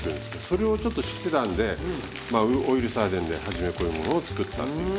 それをちょっと知ってたんでまあオイルサーディンで初めこういうものを作ったっていう。